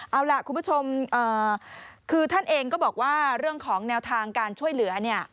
เอาล่ะคุณผู้ชมคือท่านเองก็บอกว่าเรื่องของแนวทางการช่วยเหลือเนี่ย